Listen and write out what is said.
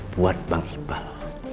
buat bang iqbal